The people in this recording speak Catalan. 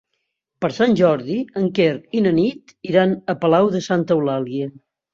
Per Sant Jordi en Quer i na Nit iran a Palau de Santa Eulàlia.